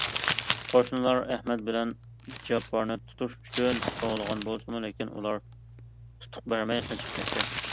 قوشنىلار ئەھەت بىلەن جاپپارنى تۇتۇش ئۈچۈن قوغلىغان بولسىمۇ، لېكىن ئۇلار تۇتۇق بەرمەي قېچىپ كەتتى.